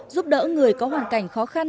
giúp đỡ người có hoàn cảnh khó khăn